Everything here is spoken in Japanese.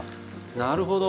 なるほど。